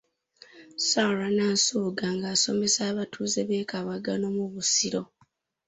Sarah Nansubuga ng'asomesa abatuuze b'e Kabaagano mu Busiro .